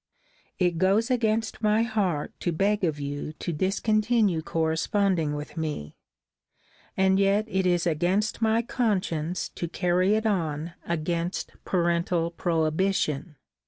It goes against my heart to beg of you to discontinue corresponding with me; and yet it is against my conscience to carry it on against parental prohibition.